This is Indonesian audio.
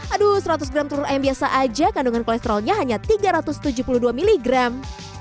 aduh seratus gram telur ayam biasa aja kandungan kolesterolnya hanya tiga ratus tujuh puluh dua miligram